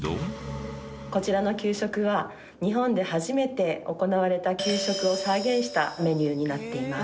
こちらの給食は日本で初めて行われた給食を再現したメニューになっています。